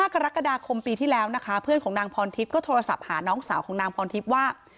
กรกฎาคมปีที่แล้วนะคะเพื่อนของนางพรทิพย์ก็โทรศัพท์หาน้องสาวของนางพรทิพย์ว่า